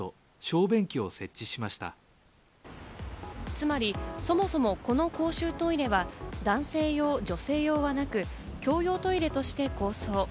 つまりそもそも、この公衆トイレは男性用、女性用はなく、共用トイレとして構想。